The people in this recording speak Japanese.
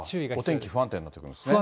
お天気不安定になってきますね。